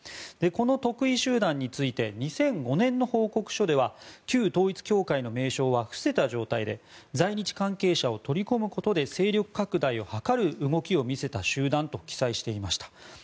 この特異集団について２００５年の報告書では旧統一教会の名称は伏せた状態で在日関係者を取り込むことで勢力拡大を図る動きを見せた集団と記載していました。